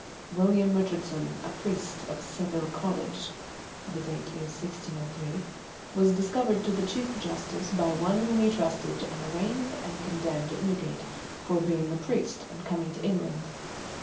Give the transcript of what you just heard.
"William Richardson, a priest of Seville College (the date is 1603), was discovered to the Chief Justice by one whom he trusted, and arraigned and condemned at Newgate for being a priest and coming to England.